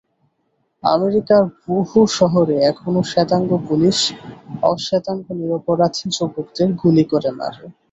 আমেরিকার বহু শহরে এখনো শ্বেতাঙ্গ পুলিশ অশ্বেতাঙ্গ নিরপরাধ যুবকদের গুলি করে মারে।